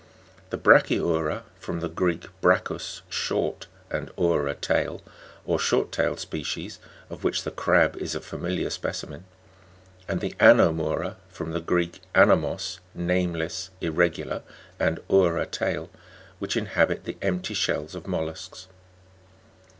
61, c) ; the Bra'chyu'ra (from the Greek, brachus, short, and oura, tail) or short tailed species, of which the crab is a familiar specimen ; and the Anomou'ra (from the Greek, an&mos, name less, irregular, and oura, tail), which inhabit the empty shells of mollusks.